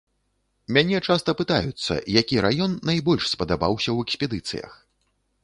Мяне часта пытаюцца, які раён найбольш спадабаўся ў экспедыцыях.